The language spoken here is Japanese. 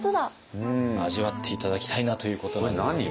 味わって頂きたいなということなんですけれども。